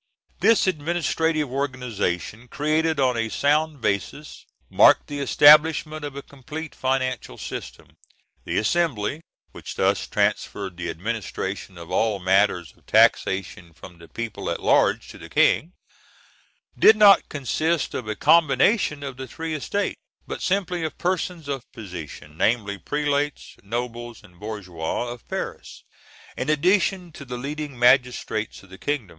This administrative organization, created on a sound basis, marked the establishment of a complete financial system. The Assembly, which thus transferred the administration of all matters of taxation from the people at large to the King, did not consist of a combination of the three estates, but simply of persons of position namely, prelates, nobles, and bourgeois of Paris, in addition to the leading magistrates of the kingdom.